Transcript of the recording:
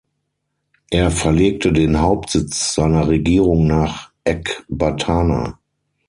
Er verlegte den Hauptsitz seiner Regierung nach Ekbatana.